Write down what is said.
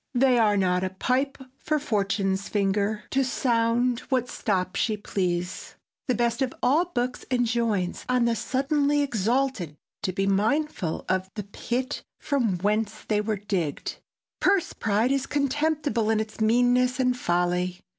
They are not a pipe for fortune's finger To sound what stop she please." The best of all books enjoins on the suddenly exalted to be mindful of the pit from whence they were digged. Purse pride is contemptible in its meanness and folly.